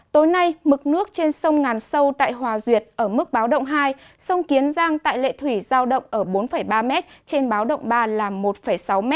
tối nay mực nước trên sông ngàn sâu tại hòa duyệt ở mức báo động hai sông kiến giang tại lệ thủy giao động ở bốn ba m trên báo động ba là một sáu m